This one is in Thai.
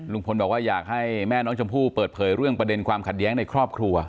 บอกว่าอยากให้แม่น้องชมพู่เปิดเผยเรื่องประเด็นความขัดแย้งในครอบครัว